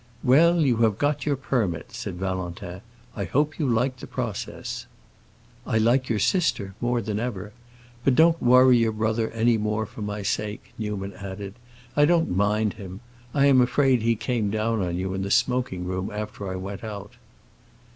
"Well, you have got your permit," said Valentin. "I hope you liked the process." "I like your sister, more than ever. But don't worry your brother any more for my sake," Newman added. "I don't mind him. I am afraid he came down on you in the smoking room, after I went out."